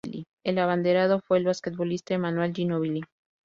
El abanderado fue el basquetbolista Emanuel Ginóbili.